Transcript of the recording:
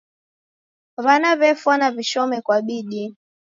W'ana w'efwana w'ishome kwa bidii.